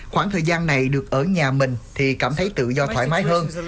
khoảng thời gian này được ở nhà mình thì cảm thấy tự do thoải mái hơn